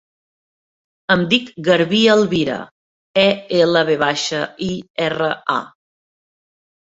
Em dic Garbí Elvira: e, ela, ve baixa, i, erra, a.